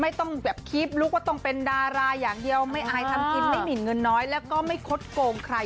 ไม่ต้องแบบคีบลุกว่าต้องเป็นดาราอย่างเดียวไม่อายทำกินไม่หมินเงินน้อยแล้วก็ไม่คดโกงใคร